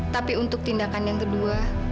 tapi untuk tindakan yang kedua